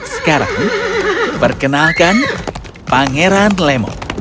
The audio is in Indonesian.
sekarang perkenalkan pangeran lemo